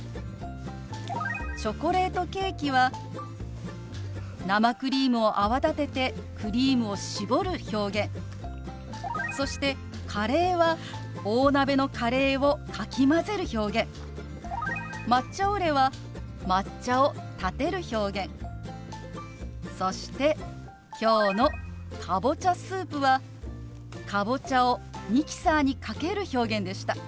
「チョコレートケーキ」は生クリームを泡立ててクリームを絞る表現そして「カレー」は大鍋のカレーをかき混ぜる表現「抹茶オレ」は抹茶をたてる表現そして今日の「かぼちゃスープ」はかぼちゃをミキサーにかける表現でした。